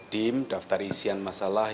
dim daftar isian masalah